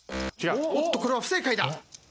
おっとこれは不正解だ。